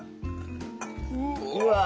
うわ。